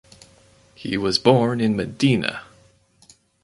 He was born in Medina.